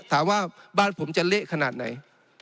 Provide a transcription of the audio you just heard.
ถามว่าบ้านผมจะเละขนาดไหน